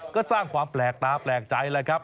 ก็สร้างความแปลกตาแปลกใจแล้วครับ